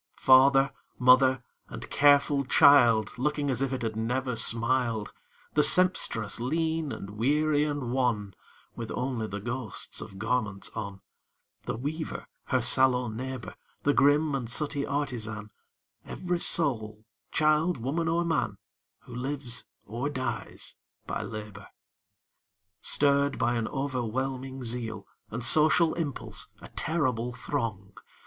Father, mother, and careful child, Looking as if it had never smiled The Sempstress, lean, and weary, and wan, With only the ghosts of garments on The Weaver, her sallow neighbor, The grim and sooty Artisan; Every soul child, woman, or man, Who lives or dies by labor. Stirr'd by an overwhelming zeal, And social impulse, a terrible throng!